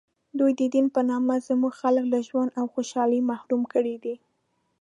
دوی د دین په نامه زموږ خلک له ژوند و خوشحالۍ محروم کړي دي.